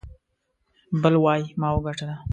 بل وايي ما وګاټه.